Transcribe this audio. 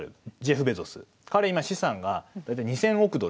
彼今資産が大体２，０００億ドルある。